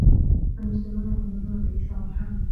المسلمون يؤمنون بعيسى و محمّد.